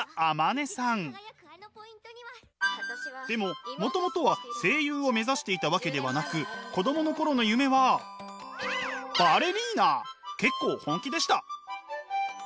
でももともとは声優を目指していたわけではなく結構本気でした。